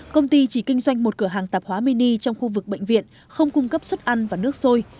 công ty chỉ kinh doanh một cửa hàng tạp hóa mini trong khu vực bệnh viện không cung cấp suất ăn và nước sôi